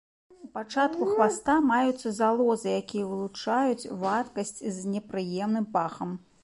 У пачатку хваста маюцца залозы, якія вылучаюць вадкасць з непрыемным пахам.